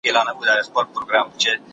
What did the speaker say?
په لومړیو کلونو کې به میلیونونه کشف شي.